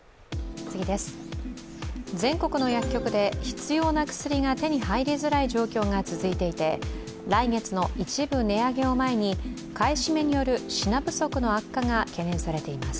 全国の薬局で必要な薬が手に入りづらい状況が続いていて来月の一部値上げを前に買い占めによる品不足の悪化が懸念されています。